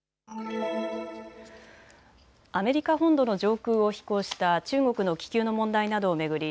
アメリカ本土の上空を飛行した中国の気球の問題などを巡り